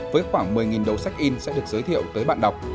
với khoảng một mươi đầu sách in sẽ được giới thiệu tới bạn đọc